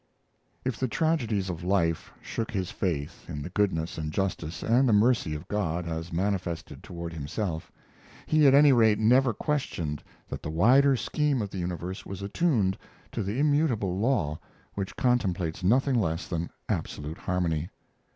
If the tragedies of life shook his faith in the goodness and justice and the mercy of God as manifested toward himself, he at any rate never questioned that the wider scheme of the universe was attuned to the immutable law which contemplates nothing less than absolute harmony.